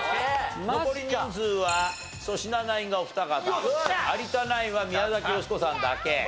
残り人数は粗品ナインがお二方有田ナインは宮崎美子さんだけ。